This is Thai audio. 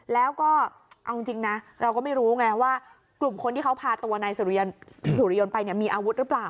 แล้วก็เอาจริงนะเราก็ไม่รู้ไงว่ากลุ่มคนที่เขาพาตัวนายสุริยนต์ไปเนี่ยมีอาวุธหรือเปล่า